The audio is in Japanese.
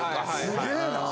すげぇな。